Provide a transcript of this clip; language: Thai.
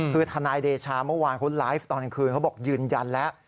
คือทนายเดชาเมื่อวานเขาไลฟ์ตอนกลางคืนเขาบอกยืนยันแล้ว